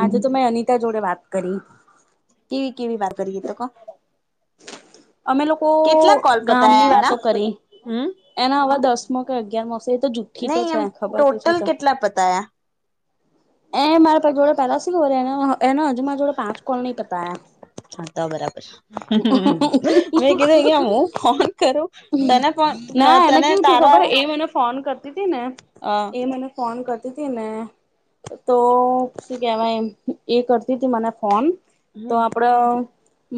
આજે તો મેં અનિતા જોડે વાત કરી. ઈ એ કેવી વાત કરી એ તો કહો. અમે લોકો કેટલા કોલ ગામની પતાયા એના વાતો કરી. એના આવા દસમો કે અગિયાર મો શે, એ તો જુઠ્ઠી તો નહી છે, એમ ખબર તો છે ટોટલ ત. કેટલા પતાયા એને મારા જોડે [unintelligible] એને હજું મારા જોડે પાંચ કોલ નહીં પતાયા. હા તો બરાબર. મેં કીધું અહિયાં હું ફોન કરું, તને પણ તને તારા ને ફોન કર તી તી ને અહ એ મને ફોન કરતી તી ને, તો, શું કહેવાય એ કરતી તી મને ફોન, તો હમ આપડો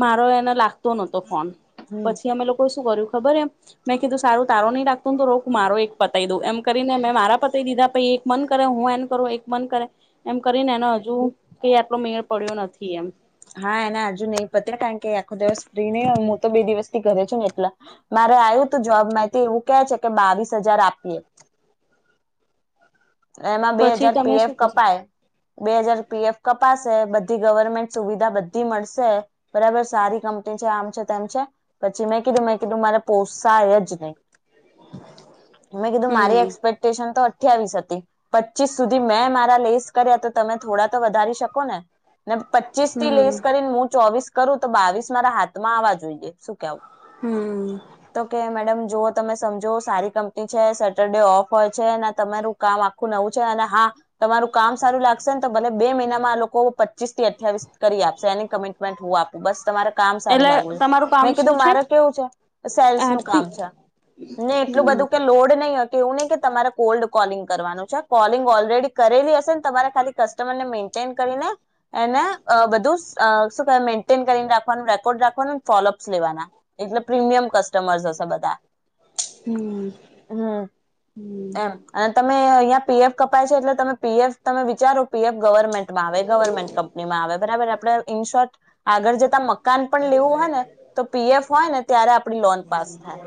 મારો એને લાગતો ન ફોન, હમ પછી અમે લોકોએ શું કર્યું ખબર એમ મેં કીધું સારું, તારો નહીં લાગતો ને તો, રુક મારો એક પતાઈ દઉં, એમ કરીને મેં મારા પતાઈ દીધા પહી મન કરે હું એન કરું, એક મન કરે, એમ કરીને એનો હજુ કઈ આટલો મેળ પડ્યો નથી એમ. હા એના હજુ નહીં પતે કારણ કે એ આખો દિવસ ફ્રી નહીં હોય, હું તો બે દિવસથી ઘરે છું ને એટલે. મારે આયું તું જોબ માહિતી, એવું કે છે કે બાવીસ હજાર આપીએ. [inaudible] તો એમાં બે પછી હજાર તમે પી શું એફ કશો કપાય, બે હજાર પી એફ કપાશે બધી ગવર્મેન્ટ સુવિધા બધી મળશે બરાબર સારી કંપની છે આમ છે, તેમ છે પછી મેં કીધું મેં કીધું મારે પોસાય જ નહીં. મેં કીધું મારી હમ એક્સપેક્ટેશન તો અઠયાવીસ હતી. પચીસ સુધી મેં મારા લેસ કર્યા તો તમે થોડા તો વધારી શકો ને ને ચિસ્તી હમ લેસ કરીને હું ચોવીસ કરું તો બાવીસ મારા હાથમાં આવવા જોઈએ, શું કેવું હમ્મ તો કે મેડમ જો તમે સમજો સારી કંપની છે, સેટરડે ઓફ હોય છે તમારું કામ આખું નવું છે અને હા તમારું કામ સારું લાગશે ને તો ભલે બે મહિનામાં આ લોકો પચીસ થી અઠ્યાવીસ કરી આપશે એની કમિટમેન્ટ હું આપું બસ, તમારે કામ સારું એટલે લાગું તમારું કામ મેં શું કીધું છે મારે કેવું છે સેલ્સ નું આરતી કામ છે ને એટલું હમ બધું કે લોડ નહીં એવું નહીં કે તમારે કોલ્ડ કોલિંગ કરવાનું છે કોલિંગ ઓલરેડી કરેલી હશે ને તમારે ખાલી કસ્ટમરને મેન્ટેન કરીને એને બધું શું મેન્ટેન કરીને રાખવાનું, રેકોર્ડ રાખવાનું, ફોલોઅપસ લેવાના. એટલે પ્રીમિયમ કસ્ટમર્સ હશે બધા હમ્મ હમ્મ એમ અને તમે અહિયાં પીએફ કપાય છે એટલે તમે પીએફ તમે વિચારો પીએફ ગવર્મેન્ટમાં આવે ગવર્મેન્ટ કંપનીમાં આવે બરાબર આપણે ઇન શોર્ટ આગળ જતા મકાન પણ લેવું હોય ને તો પીએફ હોય ને ત્યારે આપણી લોન પાસ થાય.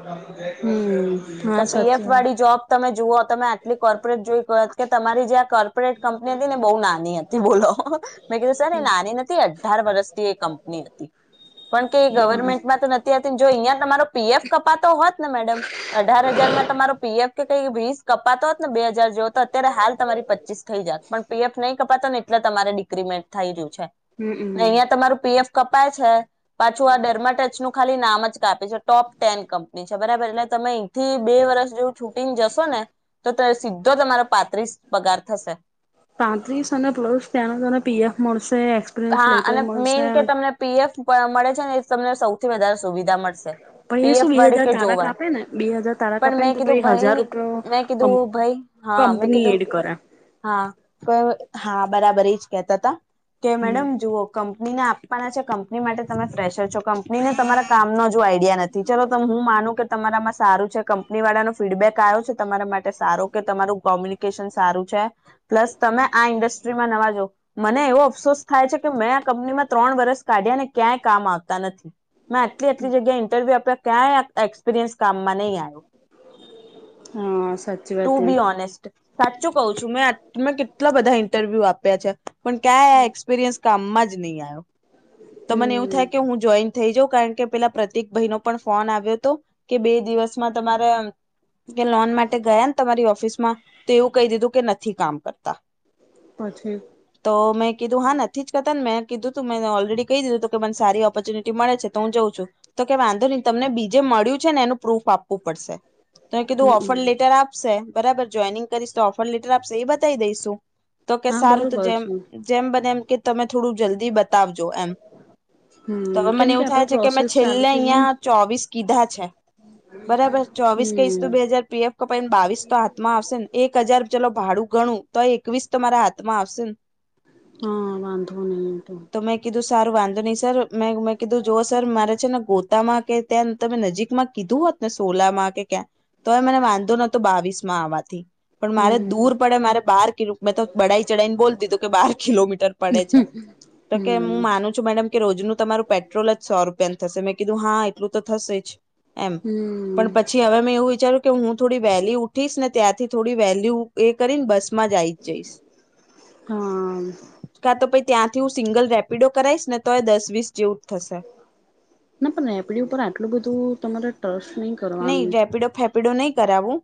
હમમ તો પીએફ વાળી જોબ તમે જુઓ તમે આટલી કોર્પોરેટ જોઈ ક કે તમારી જે આ કોર્પોરેટ કંપની હતી ને બહુ નાની હતી તે બોલો મેં કીધું સર એ નાની નથી અઢાર વર્ષથી એ કંપની હતી પણ કે એ ગવર્મેન્ટમાં તો નથી. ત્યાંથી જો અહિયાં તમારો પીએફ કપાતો હોત ને મેડમ અઢાર હજારમાં તમારો પીએફ કે કઈ વીસ કપાતો બે હજાર જો તો અત્યારે હાલ તમારી પચીસ થઈ જાત પણ પીએફ નઈ કપાતો ને એટલે તમારે ડિક્રીમેન્ટ થઈ રહ્યું છે હમમ ને હમમ અહિયાં તમારું પીએફ કપાય છે. પાછું આ ડરમા ટચનું ખાલી નામ જ કાફી છે ટોપ ટેન કંપની છે બરાબર એટલે તમે અહીંથી બે વર્ષ જેવું છૂટી ને જશો ને તો સીધો તમારો પાત્રીસ પગાર થશે. પાંત્રીસ અને પ્લસ ત્યાંનો તને પીએફ મળશે એ હા અને મેઈન કે તમને પીએફ મળે છે ને એ તમને સૌથી વધારે સુવિધા મળશે. પછી એ શું પીએફ બે વાળી હજાર કે તારા જોવા કપાય ને બે હજાર તારા પણ કાપે ને મેં તો કીધું પહીહજાર ભાઈ રૂપયો મેં કીધું ભાઈ હા મેં કંપની કીધું એડ કરે હા તો હા બરાબર એ જ કેતા હતા. કે મેડમ જુઓ કંપનીને આપવાના છે, કંપની માટે તમે ફ્રેશર છો કંપનીને તમારા કામ ન આઈડિયા નથી, ચલો તમે હું માનું કે તમારામાં સારું છે કંપની વાળા નો ફીડબેક આવ્યો છે તમારા માટે સારો કે તમારું કોમ્યુનિકેશન સારું છે. પ્લસ તમે આ ઇન્ડસ્ટ્રીમાં નવા જો મને એવો અફસોસ થાય છે કે મેં આ કંપનીમાં ત્રણ વરષ કાઢ્યાને ક્યાંય કામ આવતા નથી, મેં આટલી આટલી જગ્યા ઇન્ટરવ્યુ આપ્યા ક્યાય એકસપિરિયન્શ કામમાં નય આવ્યો, હા સાચી ટુ વાત એમ બી ઓનેસ્ટ સાચું કઉ છું મેં મેં કેટલા બધા ઇન્ટરવ્યુ આપ્યા છે પણ ક્યાં એકસપિરિયન્શ કામમાં જ નહીં આવ્યો, તો મને એવું હમ થાય કે હું જોઈન થઈ જાઉં કારણ કે પેલા પ્રતિક ભાઈ નો પણ ફોન આવ્યો હતો કે બે દિવસમાં તમારે કે લોન માટે ગયા ને તમારી ઓફિસ માં તો એવું કહી દીધું કે નથી કામ કરતા પછી તો મેં કીધું હા નથી જ કતાને મેં કીધું તું મેને ઓલરેડી કહી દીધું તું કે મને સારી ઓપોર્ચ્યનિટી મળે છે તો હું જાઉ છું તો કે વાંધો નહી તમને બીજે મળ્યું છે ને એનું પ્રૂફ આપવું પડશે તો કીધું હમમ ઓફર લેટર આપશે બરાબર જોઈનિંગ કરીશ તો ઓફ લીટર આપશે એ બતાવી દઈશું તો કે હા સારું તો બરોબર જેમ છે જેમ બનેમ કે તમે થોડું જલ્દી બતાવજો એમ હમ તોવે કેમ મને એવું આપડે થાય છે કે મેમે પ્રોસેસ ચાલુ છેલ્લે થઈ ગઈ ને અહિયાં ચોવીસ કીધા છે બરાબર ચોવીસ કશ તું બે હમ હાજાર પીએફ તો પ બાવીસ તો હાથમાં આવશે ને એક હજાર ચલો ભાડું ઘણું તો એકવીસ તો તમારા હાથ માં આવશે ને. હા બાંધો નહી એંત તો તો મેં કીધું સારું વાંધો નહી સર મેં મેં કીધું જો સર મારે છે ને ગો તામાં કે ત્યાં તમે નજીકમાં કીધું હોત ને સોલામાં કે ક્યાં તોવે મને વાંધો નતો બાવીસ માં આવવાથી પણ મારે હમ દૂર પડે મારે બારીધું મેં તો બડાાઈ ચઢાઈ ને બોલ દીધું કે બહાર કિલોમીટર પડે છે તો કે હમ હું માનું છ મેડમ કે રોજનું તમારું પેટ્રોલ જ સો રૂપિયા થશે મેં કીધું હા એટલું તો થશે જ એમ પણ હમ પછી હવે મેં એવું વિચાર્યું કે હું થોડી વહેલી ઉઠીશ ને ત્યાંથી થોડી વહેલી એ કરીને બસ માં આઈ જઈશ હા કા તો પ ત્યાંથી હું સિંગલ રેપિડો કરાવશ ને તો દસ વીસ જેવું જ થશે. ના પણ એપડી ઉપર આટલું બધું તમારા ટ્રસ્ટ નહી નહી કરવાનું રેપિડો ફેપીડો નહી કરાવવું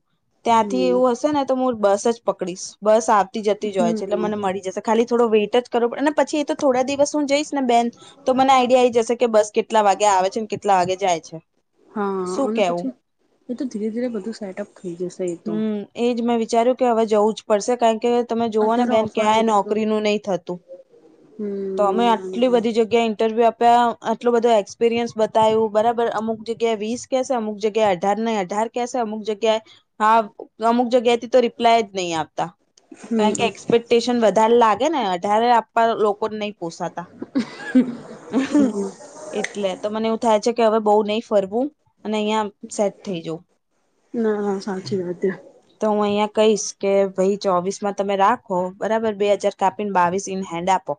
ત્યાંથી હમ એવું હશે ને તો હું બસ જ પકડીશ બસ આવતી જતી જ હોય છે એટલે હમ મને મળી જશે ખાલી થો વેઇટ જ કરો પડ અને પછી એ તો થોડા દિવસ હું જઈશ ને બેન તો મને આઈડિયા એઈ જશે કે બસ કેટલા વાગે આવે છે કેટલા વાગે જાય છે હા શું અને કેવું પછી એ તો ધીરે ધીરે બધું સેટઅપ થઈ જશે એ તો હમ એજ મેં વિચાર્યું કે હવે જવું જ પડશે કારણ કે તમે જોુઓ ને અત્યારે બેન ઓફર ક્યાંય લેટરો નોકરી નું નહી થતું તો અમે હમ આટલી ના બધી જગ્યાએ ઇન્ટરવ્યુ આપ્યા આટલો બધો એક્સપિરિયન્સ બતાવ્યું બરાબર અમુક જગ્યાએ વીસ કસ અમુક જગ્યાએ અઢાર નં અઢાર કસે અમક જગ્યાએ હા અમુક જગ્યાથી તો રિપ્લાય જ નહી આપતા હમ કારણ કે એક્સપેક્ટેશન વધારે લાગે ને અઢારે આપવા લોકો કો નહી પોસાતા એટલે તો મને એવું થાય છે કે હવે બઉ નહી ફરવું અને અહિયાં સેટ થઈ જવ ના ના સાચી વાત તો હું અહિયાં કહીશ કે ભાઈ ચોવીસ માં તમે રાખો બરાબર બે હજાર કાપ બાવીસ ઇન હેન્ડપો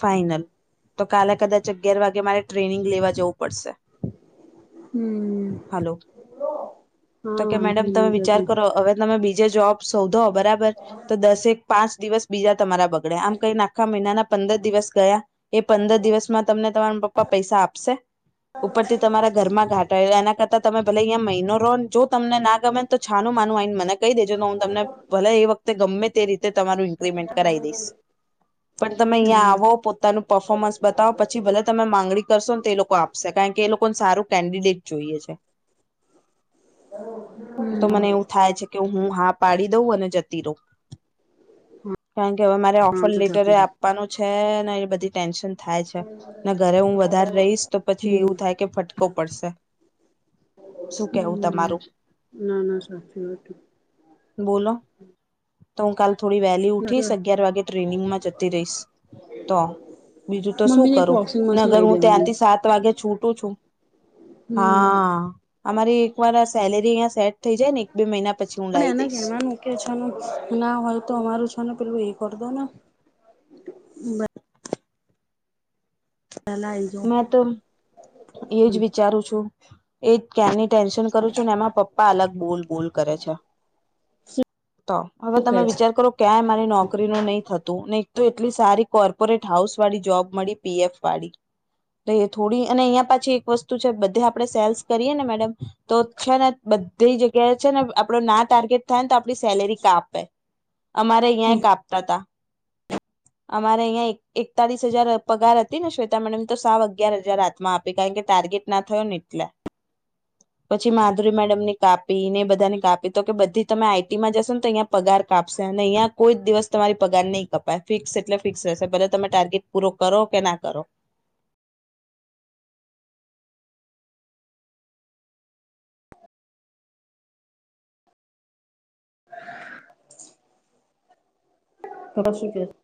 ફઇનલ તો કાલે કદાચ અગિયાર વાગે મારે ટ્રેનિંગ લેવા જવું પડશે હમ હાલો. હા તો કે વાંધો મેડમ તમે વિચાર જજું કરો હવે તમે બીજે જોબ શોધો બરાબર તો દસેક પાંચ દિવસ બીજા તમારા બગડ્યા આમ કઈને આખા મહિનાના પંદર દિવસ ગયા એ પંદર દિવસમાં તમને તમારા પપ્પા પૈસા આપશે ઉપરથી તમારા ઘરમાં ઘાટાયેલા એના કરતા તમે ભલે અહીંયા મહિનો રોન જો તમને ના ગમે તો છાનું માનું આને મને કઈ દેજોને હું તમને ભલે એ વખતે ગમે તે રીતે તમારું ટ્રીટમેન્ટ કરાવી દઈશ, પણ તમે અહીં હમ આવો તો. પહેલા તમારું પરફોર્મન્સ બતાવો. પછી તમે જે માંગણી કરશો, તે લોકો વિચારશે. કારણ કે તેમને સારો કેન્ડિડેટ જોઈએ છે. તો હમ મને એવું થાય છે કે હું હા પાડી દઉં અને ત્યાં જતી રહું. કારણ કે હવે મારે ઑફર હા તો લેટર જતી રા આપવાનું છે, એટલે એ બધી વાતની મને ટેન્શન થાય છે. હા, થાય છે ને. જો હું ઘરે વધારે સમય રહીશ, તો પછી હમ એવું લાગે છે કે મને ઠપકો પડશે. શું કહેવું હમ તમારું? ના ના, સાચી વાત છે. બોલો તો હું કાલે થોડું વહેલું ઊઠી જઈશ અને અગિયાર વાગે ટ્રેનિંગમાં જતી રહીશ. તો બીજું શું મમ્મીને એક કરું? વોશિંગ ને મશીન અગર લઈ હું દેવાનું ત્યાંથી સાત વાગ્યે છૂટું છું. હમ હા અમારી એક વાર સેલેરી અહીંયા સેટ થઈ જાય ને એક-બે મહિના પછી હું પણ લાઈ એને દઈશ કહેવાનું કે છોનો ના હોય તો અમારું પેલું એ કરી દો ને પેલા આઈ જાવ મેં તો એ જ વિચારુ છુ એની જ ક્યારની ટેન્શન કરું છુ ને એમાં પપ્પા અલગ બોલ બોલ કરે છે શું તો હવે કે તમે છે વિચાર કરો કે મને નોકરીનું નઈ થતું નઈ તો એટલી સારી કોર્પોરેટ હાઉસ વાળી જોબ મળી પી એફ વાળી ત યે થોડી અને અહીંયા પાછી એક વસ્તુ છે બધી આપડે સેલ્સ કરીયે ને મેડમ તો છે ને બધી જગ્યાએ છે ને આપડું ના ટાર્ગેટ થાય ને તો આપડી સેલેરી કાપે અમારે અહીંયા કાપતા તા અમારે અહીંયા એકતાલીસ હજાર પગાર હતી ને શે તા મેડમ તો સાવ અગ્યાર હજાર હાથમા આપે કારણ કે ટાર્ગેટ ના થયો ને એટલે પછી માધુરી મેડમ ને કાપી ને બધાને કાપી તો કે બધી તમેં આઇટી જશો ને તો અહીંયા પગાર કાપશે અને અહીંયા કોઈ દિવસ તમારો પગાર નઈ કપાય ફિક્સ એટલે ફિક્સ જ રહેશે ભલે તમેં ટાર્ગે પૂરો કરો કે ના કરો [unintelligible]